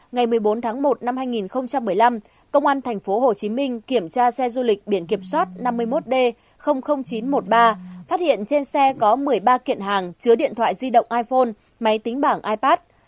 ngày một mươi bốn tháng một năm hai nghìn một mươi năm công an tp hcm kiểm tra xe du lịch biển kiểm soát năm mươi một d chín trăm một mươi ba phát hiện trên xe có một mươi ba kiện hàng chứa điện thoại di động iphone máy tính bảng ipad